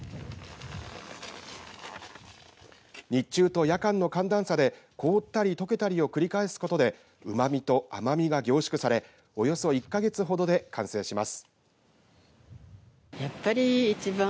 日中と夜間の寒暖差で凍ったり、とけたりを繰り返すことでうまみと甘みが凝縮されおよそ１か月ほどで完成します。